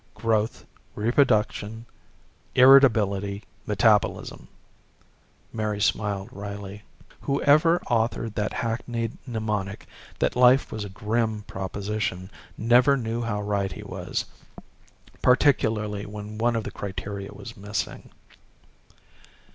Growth, reproduction, irritability, metabolism Mary smiled wryly. Whoever had authored that hackneyed mnemonic that life was a "grim" proposition never knew how right he was, particularly when one of the criteria was missing.